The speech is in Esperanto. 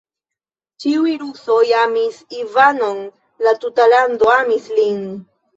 Ĉiuj rusoj amis Ivanon, la tuta lando amis lin.